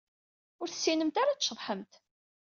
Ur tessinemt ara ad tceḍḥemt.